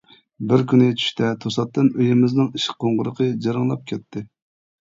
بىر كۈنى چۈشتە توساتتىن ئۆيىمىزنىڭ ئىشىك قوڭغۇرىقى جىرىڭلاپ كەتتى.